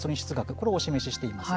これをお示ししています。